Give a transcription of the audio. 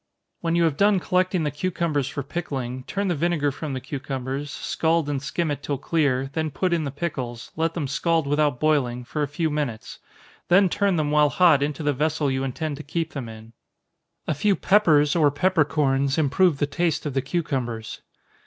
When you have done collecting the cucumbers for pickling, turn the vinegar from the cucumbers, scald and skim it till clear, then put in the pickles, let them scald without boiling, for a few minutes; then turn them while hot into the vessel you intend to keep them in. A few peppers, or peppercorns, improve the taste of the cucumbers.